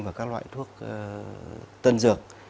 và các loại thuốc tân dược